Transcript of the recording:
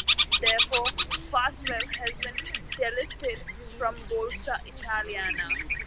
Therefore Fastweb has been delisted from Borsa Italiana.